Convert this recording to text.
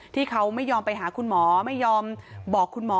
ที่เขาไม่ยอมไปหาคุณหมอไม่ยอมบอกคุณหมอ